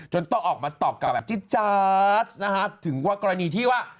ต้องออกมาตอบกลับแบบจี๊ดนะฮะถึงว่ากรณีที่ว่า